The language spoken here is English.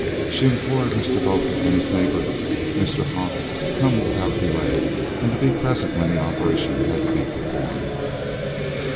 She implored Mr. Botha and his neighbour Mr. Hocke to come without delay, and to be present when the operation had to be performed.